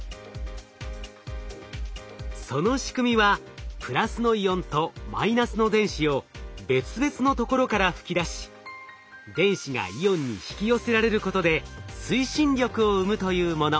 その仕組みはプラスのイオンとマイナスの電子を別々のところから吹き出し電子がイオンに引き寄せられることで推進力を生むというもの。